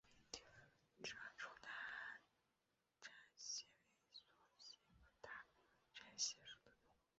皱褶大蟾蟹为梭子蟹科大蟾蟹属的动物。